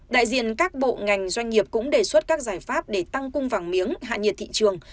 đại diện các bộ ngành doanh nghiệp cũng đề xuất các giải pháp để tăng cung vàng miếng hạ nhiệt thị trường